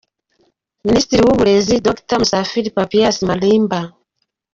Minisitiri w’Uburezi: Dr Musafili Papias Malimba.